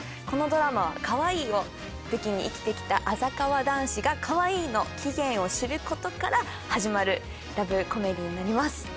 このドラマは「可愛い」を武器に生きてきたあざかわ男子が「可愛い」の期限を知る事から始まるラブコメディーになります。